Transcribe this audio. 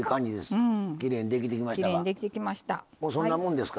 きれいにできてきました。